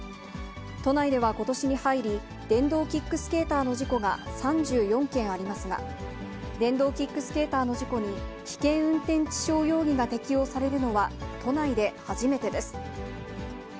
都内ではことしに入り、電動キックスケーターの事故が３４件ありますが、電動キックスケーターの事故に、危険運転致傷容疑が適用されるのは都内で初め